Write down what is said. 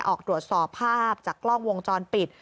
ออกตรวจสอบภาพจากกล้องวงจรปิด